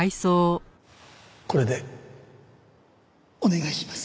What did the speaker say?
これでお願いします。